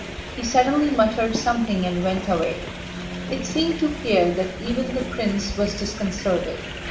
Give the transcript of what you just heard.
He suddenly muttered something and went away. It seemed to Pierre that even the prince was disconcerted.